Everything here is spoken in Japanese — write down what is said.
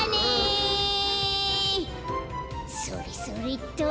それそれっと。